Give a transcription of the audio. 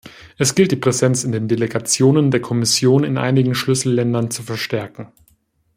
Es gilt, die Präsenz in den Delegationen der Kommission in einigen Schlüsselländern zu verstärken.